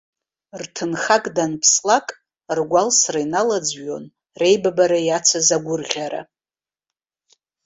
Рҭыхнак данԥслак, ргәалсра иналаӡҩон реибабара иацыз агәырӷьара.